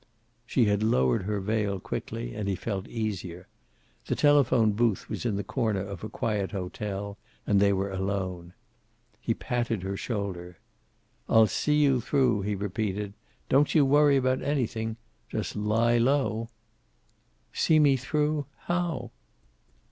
She had lowered her veil quickly, and he felt easier. The telephone booth was in the corner of a quiet hotel, and they were alone. He patted her shoulder. "I'll see you through," he repeated. "Don't you worry about anything. Just lie low." "See me through? How?"